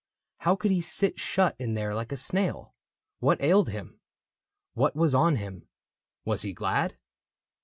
How could he sit shut in there like a snail ? What ailed him ? What was on him ? Was he glad